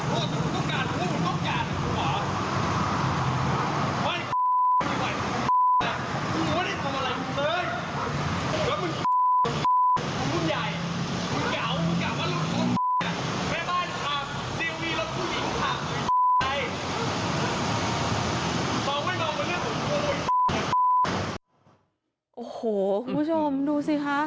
โอ้โหคุณผู้ชมดูสิคะ